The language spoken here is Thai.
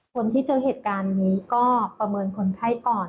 คนที่เจอเหตุการณ์นี้ก็ประเมินคนไข้ก่อน